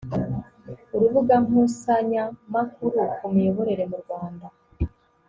urubuga nkusanyamakuru ku miyoborere mu rwanda